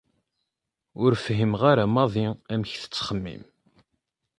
Ur fhimeɣ ara maḍi amek tettxemmim.